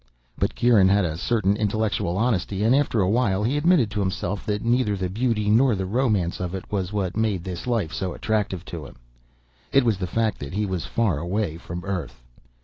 But Kieran had a certain intellectual honesty, and after a while he admitted to himself that neither the beauty nor the romance of it was what made this life so attractive to him. It was the fact that he was far away from Earth.